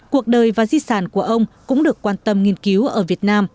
cuộc đời và di sản của ông cũng được quan tâm nghiên cứu ở việt nam